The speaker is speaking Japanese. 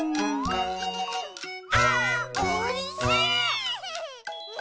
「あーおいしい！」